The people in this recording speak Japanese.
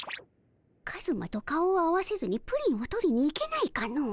カズマと顔を合わせずにプリンを取りに行けないかの？